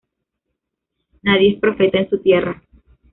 Nadie es profeta en su tierra